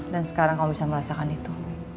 dan sekarang kamu bisa merasakan itu